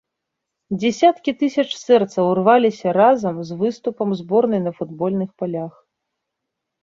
Дзясяткі тысяч сэрцаў рваліся разам з выступам зборнай на футбольных палях.